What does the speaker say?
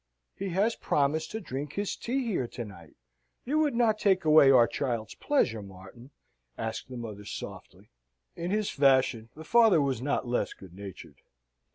"He has promised to drink his tea here to night. You would not take away our child's pleasure, Martin?" asked the mother, softly. In his fashion, the father was not less good natured.